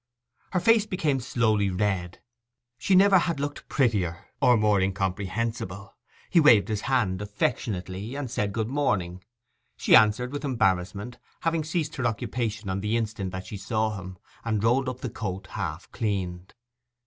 Her face became slowly red; she never had looked prettier, or more incomprehensible, he waved his hand affectionately, and said good morning; she answered with embarrassment, having ceased her occupation on the instant that she saw him, and rolled up the coat half cleaned.